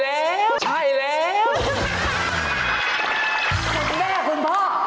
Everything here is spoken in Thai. แต่พี่แม่ชักคุณพ่อ